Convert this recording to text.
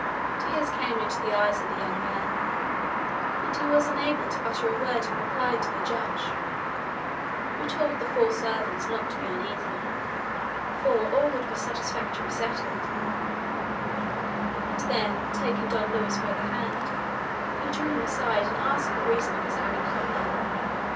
Tears came into the eyes of the young man, and he was unable to utter a word in reply to the Judge, who told the four servants not to be uneasy, for all would be satisfactorily settled; and then taking Don Luis by the hand, he drew him aside and asked the reason of his having come there.